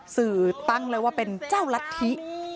สื่อตั้งเลยว่าเป็นเจ้ารัฐธิ